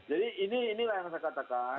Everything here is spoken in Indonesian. jadi inilah yang saya katakan